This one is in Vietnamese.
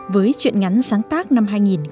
với chuyện ngắn sáng tác năm hai nghìn